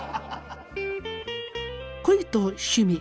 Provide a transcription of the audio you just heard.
恋と趣味。